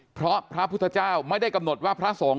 เพราะพระพุทธเจ้าไม่ได้กำหนดว่าพระสงฆ์